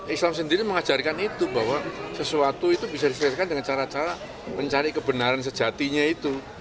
islam sendiri mengajarkan itu bahwa sesuatu itu bisa diselesaikan dengan cara cara mencari kebenaran sejatinya itu